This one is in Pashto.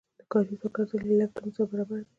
د کاري ځواک ارزښت له لګښتونو سره برابر دی.